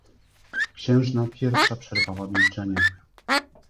"Księżna pierwsza przerwała milczenie."